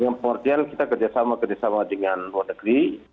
yang pengertian kita kerjasama kerjasama dengan luar negeri